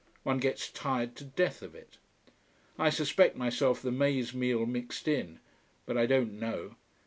One gets tired to death of it. I suspect myself the maize meal mixed in. But I don't know.